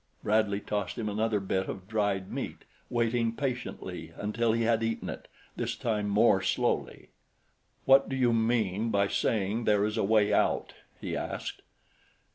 Bradley tossed him another bit of dried meat, waiting patiently until he had eaten it, this time more slowly. "What do you mean by saying there is a way out?" he asked.